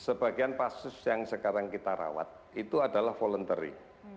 sebagian pasus yang sekarang kita rawat itu adalah voluntary